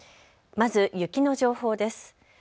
まず雪の情報です。